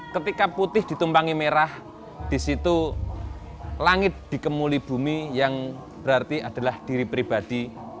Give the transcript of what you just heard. ketika putih ditumpangi merah di situ langit dikemuli bumi yang berarti adalah diri pribadi